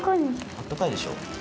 あったかいでしょ。